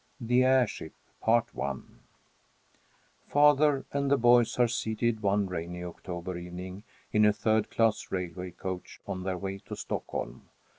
The Airship Father and the boys are seated one rainy October evening in a third class railway coach on their way to Stockholm.